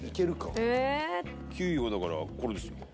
９位はだからこれですよ。